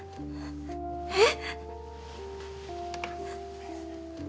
えっ？